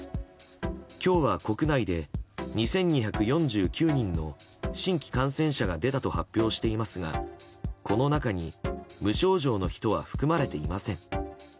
今日は国内で２２４９人の新規感染者が出たと発表していますがこの中に無症状の人は含まれていません。